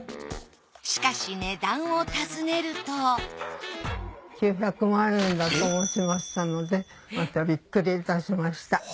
しかし値段を尋ねると９００万円だと申しましたのでまたビックリいたしました。